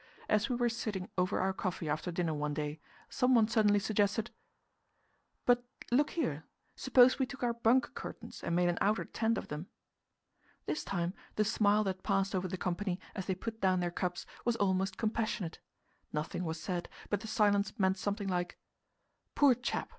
As we were sitting over our coffee after dinner one day, someone suddenly suggested: "But look here suppose we took our bunk curtains and made an outer tent of them?" This time the smile that passed over the company, as they put down their cups, was almost compassionate. Nothing was said, but the silence meant something like: "Poor chap!